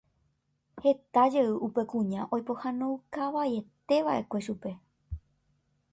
Heta jey upe kuña oipohãnoukavaieteva'ekue chupe.